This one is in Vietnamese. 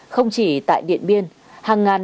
không chỉ tại điện biên hàng ngàn